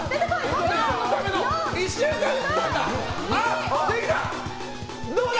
何のための１週間だったんだ！